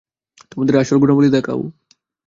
তোমাদের আসল গুণাবলী দেখাও।